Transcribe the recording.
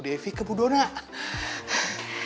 sungguh sungguh mengalihkan perasaan saya dari bu